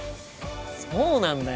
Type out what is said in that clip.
そうなんだよ。